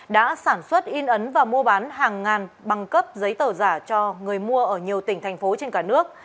đã sản xuất in ấn và mua bán hàng ngàn bằng cấp giấy tờ giả cho người mua ở nhiều tỉnh thành phố trên cả nước